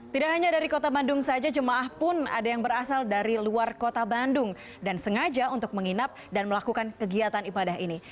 tidak hanya dari kota bandung saja jemaah pun ada yang berasal dari luar kota bandung dan sengaja untuk menginap dan melakukan kegiatan ibadah ini